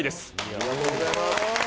ありがとうございます。